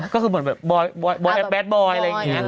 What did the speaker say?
ก็คือเหมือนแบดบ่อยอะไรอย่างนี้